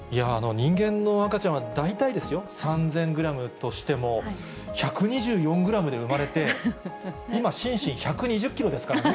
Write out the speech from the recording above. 人間の赤ちゃんは、大体ですよ、３０００グラムとしても、１２４グラムで産まれて、今、シンシン、１２０キロですからね。